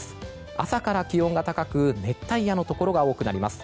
朝から気温が高く熱帯夜のところが多くなります。